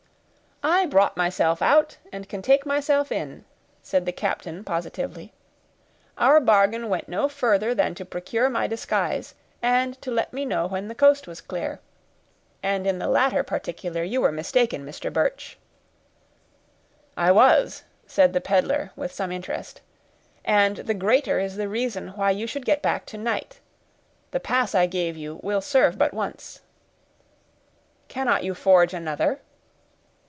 "I brought myself out, and can take myself in," said the captain positively. "Our bargain went no further than to procure my disguise, and to let me know when the coast was clear; and in the latter particular, you were mistaken, Mr. Birch." "I was," said the peddler, with some interest, "and the greater is the reason why you should get back to night; the pass I gave you will serve but once." "Cannot you forge another?"